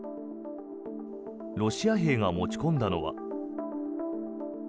ロシア兵が持ち込んだのは。